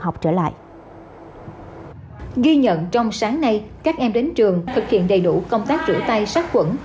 học trở lại ghi nhận trong sáng nay các em đến trường thực hiện đầy đủ công tác rửa tay sát quẩn